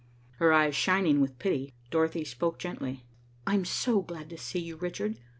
Her eyes shining with pity, Dorothy spoke gently. "I'm so glad to see you, Richard.